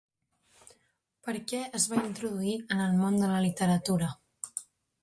Per què es va introduir en el món de la literatura?